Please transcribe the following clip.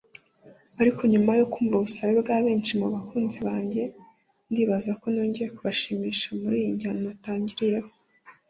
ariko nyuma yo kumva ubusabe bwa benshi mu bakunzi banjye ndibaza ko nongeye kubashimisha muri iyi njyana natangiriyemo